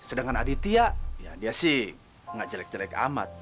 sedangkan aditya ya dia sih nggak jelek jelek amat